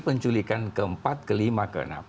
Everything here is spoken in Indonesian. penculikan keempat kelima keenap